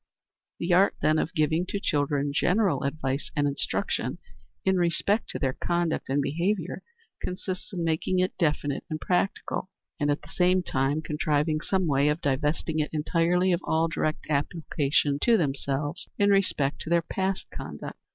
The art, then, of giving to children general advice and instruction in respect to their conduct and behavior, consists in making it definite and practical, and at the same time contriving some way of divesting it entirely of all direct application to themselves in respect to their past conduct.